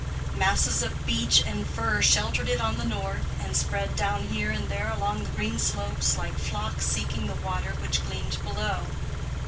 Masses of beech and fir sheltered it on the north, and spread down here and there along the green slopes like flocks seeking the water which gleamed below.